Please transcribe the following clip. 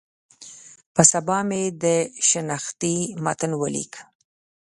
په سبا مې د شنختې متن ولیک.